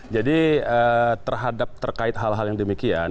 jadi terhadap terkait hal hal yang demikian